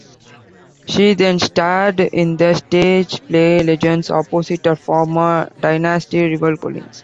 She then starred in the stage play "Legends" opposite her former "Dynasty" rival Collins.